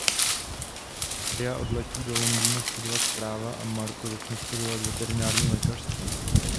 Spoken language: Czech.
Maria odletí do Londýna studovat práva a Marco začne studovat veterinární lékařství.